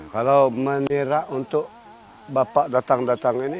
kalau menira untuk bapak datang datang ini